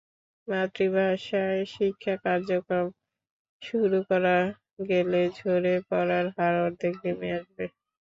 মাতৃভাষায় শিক্ষা কার্যক্রম শুরু করা গেলে ঝরে পড়ার হার অর্ধেকে নেমে আসবে।